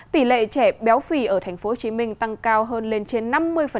tỷ lệ trẻ béo phì ở tp hcm tăng cao hơn lên trên năm mươi